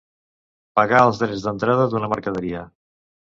Pagar els drets d'entrada d'una mercaderia.